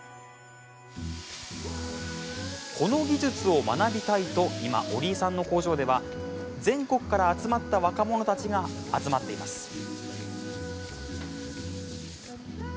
この技術を学びたいと今、折井さんの工場では全国から集まった若者たちが集まっています。